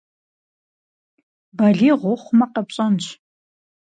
Балигъ ухъумэ къэпщӏэнщ.